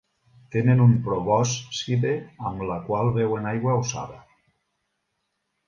Tenen una probòscide amb la qual beuen aigua o saba.